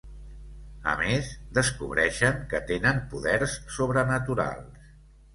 A més, descobreixen que tenen poders sobrenaturals.